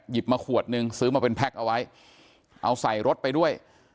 มาขวดนึงซื้อมาเป็นแพ็คเอาไว้เอาใส่รถไปด้วย